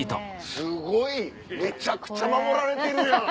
すごいめちゃくちゃ守られてるやん！